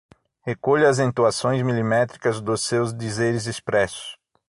recolho as entoações milimétricas dos seus dizeres expressos